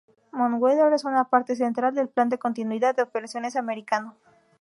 Mount Weather es una parte central del Plan de Continuidad de Operaciones americano.